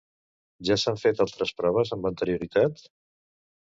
Ja s'han fet altres proves amb anterioritat?